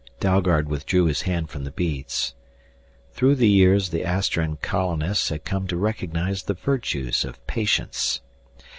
Dalgard withdrew his hand from the beads. Through the years the Astran colonists had come to recognize the virtues of patience.